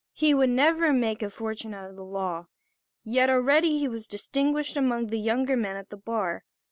He would never make a fortune out of the law; yet already he was distinguished among the younger men at the bar.